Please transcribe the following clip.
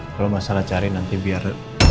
kalau masalah cari nanti biar